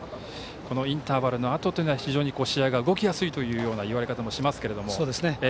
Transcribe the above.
このインターバルのあとは非常に試合が動きやすいといういわれ方もしますけれども。